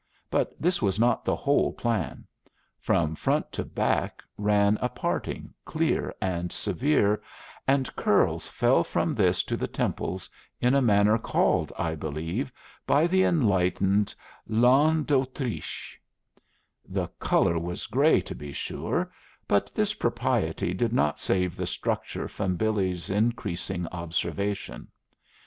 But this was not the whole plan. From front to back ran a parting, clear and severe, and curls fell from this to the temples in a manner called, I believe, by the enlightened, a l'Anne d'Autriche. The color was gray, to be sure; but this propriety did not save the structure from Billy's increasing observation.